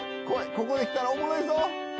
ここで来たらおもろいぞ。